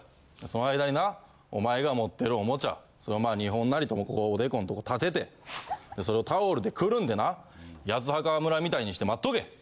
その間になお前が持ってるおもちゃ２本なりとおでこのとこ立ててそれをタオルでくるんでな『八つ墓村』みたいにして待っとけ。